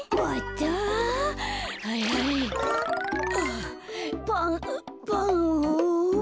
あパンパン。